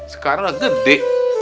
sekarang udah gede